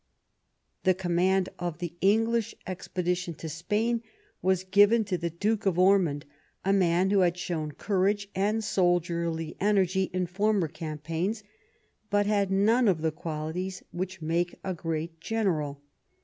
The command of the English expedition to Spain was given to the Duke of Ormond, a man who had shown courage and soldierly energy in former campaigns, but had none of the qualities which make a great general.